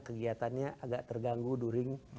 kegiatannya agak terganggu during